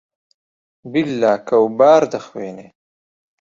بیللا کەوباڕ دەخوێنێ